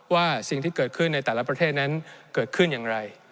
ว่าสิ่งที่เกิดขึ้นในแต่ละประเทศนั้นเกิดขึ้นอย่างไร